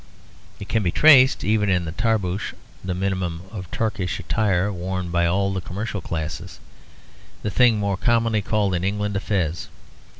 It can be traced even in the tarbouch, the minimum of Turkish attire worn by all the commercial classes; the thing more commonly called in England a fez.